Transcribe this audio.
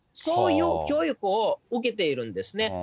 そういう教育を受けているんですね。